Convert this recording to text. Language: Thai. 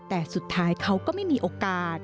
แต่สุดท้ายเขาก็ไม่มีโอกาส